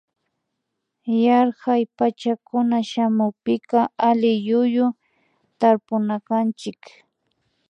Yarkak pachacunan shamunpika alliyuyu tarpunakanchik